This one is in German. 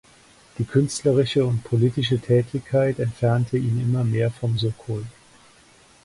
Die künstlerische und politische Tätigkeit entfernte ihn immer mehr vom "Sokol".